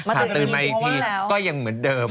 ตื่นมาอีกทีก็ยังเหมือนเดิม